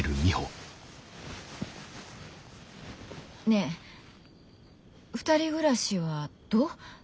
ねぇ２人暮らしはどう？